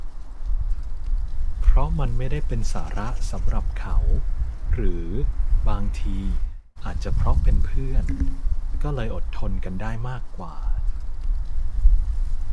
เพราะมันไม่ได้เป็นสาระสำหรับเขา หรือ บางที อาจจะเพราะเป็นเพื่อน ก็เลยอดทนกันได้มากกว่า